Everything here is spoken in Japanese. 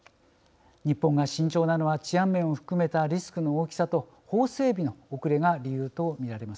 日本が慎重なのは治安面を含めたリスクの大きさと法整備の遅れが理由と見られます。